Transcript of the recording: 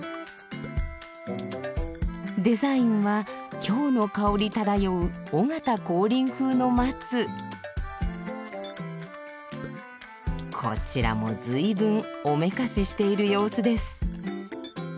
デザインは京の香り漂うこちらもずいぶんおめかししている様子です。